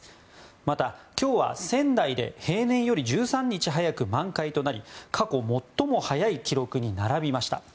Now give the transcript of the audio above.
また、今日は仙台で平年より１３日早く満開となり過去最も早い記録に並びました。